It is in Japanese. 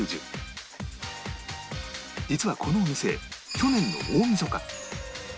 実はこのお店去年の大晦日